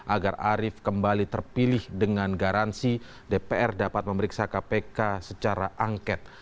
agar arief kembali terpilih dengan garansi dpr dapat memeriksa kpk secara angket